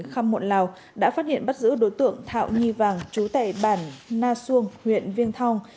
kham muộn lào đã phát hiện bắt giữ đối tượng thạo nhi vàng chú tẻ bản na xuân huyện viên thong